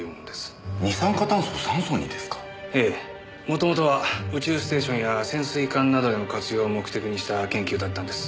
もともとは宇宙ステーションや潜水艦などでの活用を目的にした研究だったんです。